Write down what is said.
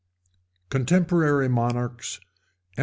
Contemporary Monarchs EMP.